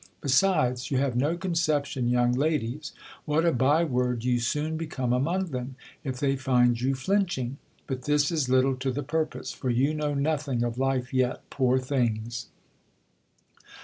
Besides, you have no concep tion, young ladies, what a bye word you soon become among them, if they find you jlmching. But this i^ litde to the purpose ; for you know nothing of life yet, poor things.